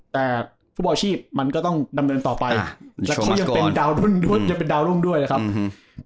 แต่ผู้บ่ออาชีพมันก็ต้องดำเรนต่อไปก็ยังเป็นดาวน์รุ่นยังเป็นดาวน์รุ่นด้วยนะครับ